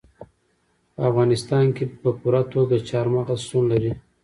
په افغانستان کې په پوره توګه چار مغز شتون لري.